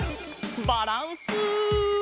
バランス。